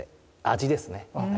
味ですね。